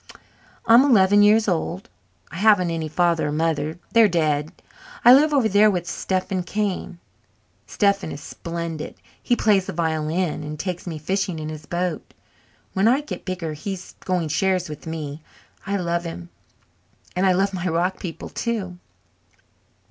"I'm eleven years old. I haven't any father or mother, they're dead. I live over there with Stephen Kane. Stephen is splendid. He plays the violin and takes me fishing in his boat. When I get bigger he's going shares with me. I love him, and I love my rock people too."